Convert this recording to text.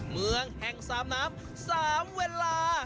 เมืองแห่งสามน้ำ๓เวลา